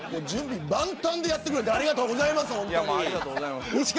準備万端でやってくれてありがとうございます。